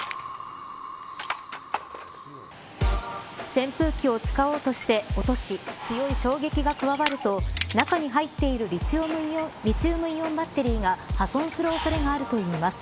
扇風機を使おうとして落とし強い衝撃が加わると中に入っているリチウムイオンバッテリーが破損する恐れがあるといいます。